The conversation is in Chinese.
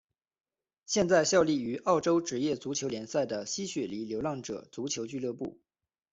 现在效力于澳洲职业足球联赛的西雪梨流浪者足球俱乐部。